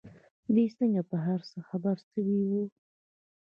دى څنگه پر هر څه خبر سوى و.